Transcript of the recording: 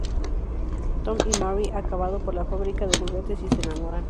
Tom y Mary acabado para la fábrica de juguetes y se enamoran.